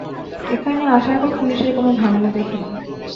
এখানে আসার পর পুলিশের কোন ঝামেলা দেখিনি।